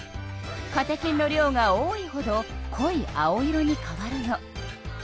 カテキンの量が多いほどこい青色に変わるの。